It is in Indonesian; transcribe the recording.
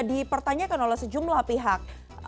dipertanyakan oleh sejumlah pihak